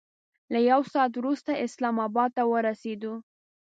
له یو ساعت وروسته اسلام اباد ته ورسېدو.